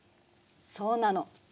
そうなの。